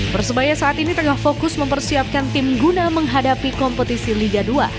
persebaya saat ini tengah fokus mempersiapkan tim guna menghadapi kompetisi liga dua